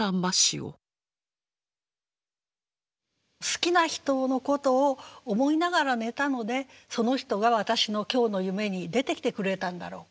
「好きな人のことを思いながら寝たのでその人が私の今日の夢に出てきてくれたんだろうか。